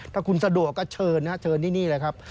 ถ้าคุณสะดวกก็เชิญนะเชิญที่นี่เลยครับ